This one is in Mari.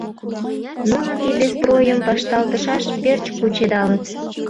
Нуно тиде стройым вашталтышаш верч кучедалыт.